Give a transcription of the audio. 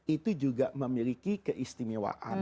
itu juga memiliki keistimewaan